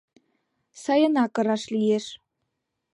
Сайынак ыраш лиеш.